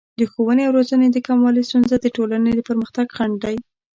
د ښوونې او روزنې د کموالي ستونزه د ټولنې د پرمختګ خنډ دی.